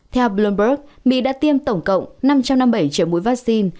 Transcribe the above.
theo bloomberg mỹ đã tiêm tổng cộng năm trăm năm mươi bảy triệu mũi vaccine